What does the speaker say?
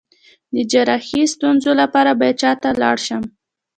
د جراحي ستونزو لپاره باید چا ته لاړ شم؟